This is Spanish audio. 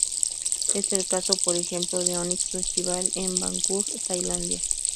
Es el caso, por ejemplo, de Onyx Festival, en Bangkok, Tailandia.